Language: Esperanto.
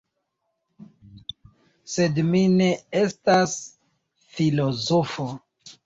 Sed mi ne estas filozofo.